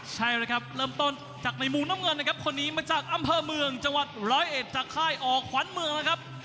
ใช่เลยครับเริ่มต้นจากในมุมน้ำเงินนะครับคนนี้มาจากอำเภอเมืองจังหวัดร้อยเอ็ดจากค่ายออกขวัญเมืองนะครับ